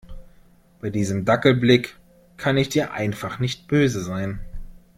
Bei diesem Dackelblick kann ich dir einfach nicht böse sein.